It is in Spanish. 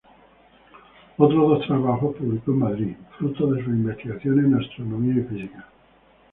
Otros dos trabajos publicó en Madrid, fruto de sus investigaciones en astronomía y física.